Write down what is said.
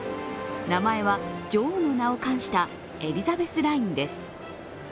名前は、女王の名を冠したエリザベスラインです。